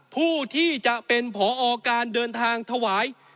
ผู้ที่จะเป็นผอการเดินทางถวาย